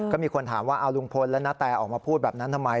ก็มีคนถามว่าเอาลุงพลและนาแตออกมาพูดแบบนั้นทำไม